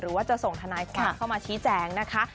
หรือว่าจะส่งทนายความเข้ามาชี้แจงนะคะ